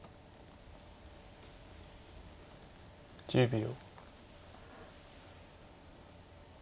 １０秒。